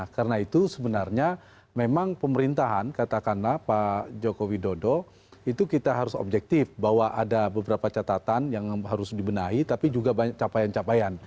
karena itu sebenarnya memang pemerintahan katakanlah pak jokowi dodo itu kita harus objektif bahwa ada beberapa catatan yang harus dibenahi tapi juga banyak capaian capaian